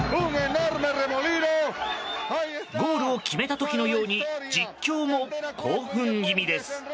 ゴールを決めた時のように実況も興奮気味です。